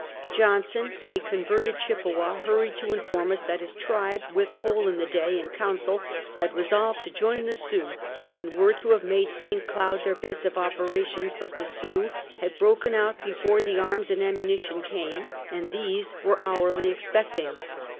Johnson, a converted Chippewa, hurried to inform us that his tribe with Hole in the day in council had resolved to join the Sioux and were to have made St. Cloud their base of operations, but the Sioux had broken out before the arms and ammunition came, and 230 Half a Centuey. these they were hourly expecting.